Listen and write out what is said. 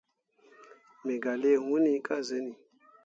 Me gah lii hunni ka zuni.